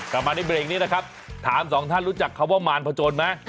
กลับมาในเบรกนี้นะครับถามสองท่านรู้จักคำว่ามารพจนไหม